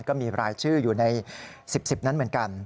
ก็มีรายชื่ออยู่ใน๑๐๑๐นั้นเหมือนกัน